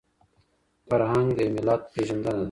فرهنګ د يو ملت پېژندنه ده.